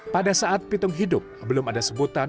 pada saat pitung hidup belum ada sebutan